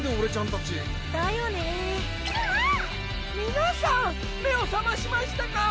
皆さん目を覚ましましたか！